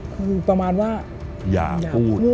คือประมาณว่าอย่าพูด